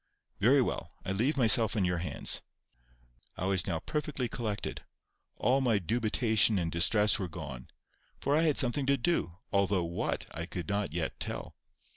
"Very well. I leave myself in your hands." I was now perfectly collected. All my dubitation and distress were gone, for I had something to do, although what I could not yet tell.